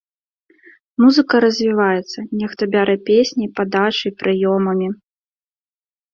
Музыка развіваецца, нехта бярэ песняй, падачай, прыёмамі.